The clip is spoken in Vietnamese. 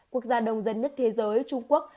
quốc gia đông dân nhất thế giới trung quốc